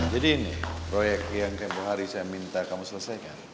jadi ini proyek yang kembali hari saya minta kamu selesaikan